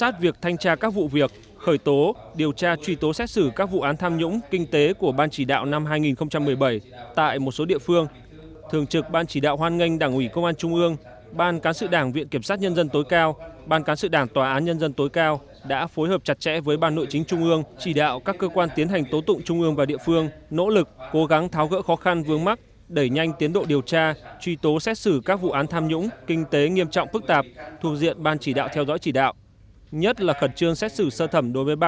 tại cuộc họp thường trực ban chỉ đạo đã đồng ý kế hoạch kết thúc điều tra truy tố xét xử một mươi hai vụ án thuộc diện ban chỉ đạo theo dõi chỉ đạo trong năm hai nghìn một mươi bảy